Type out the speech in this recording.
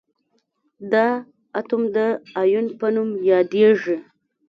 دا اتوم د انیون په نوم یادیږي.